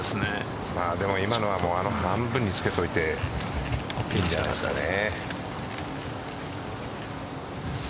でも今のは半分につけといていいんじゃないですかね。